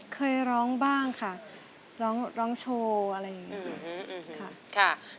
เคยร้องบ้างค่ะร้องโชว์อะไรอย่างนี้ค่ะ